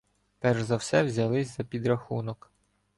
Перш за все взялися за підрахунок.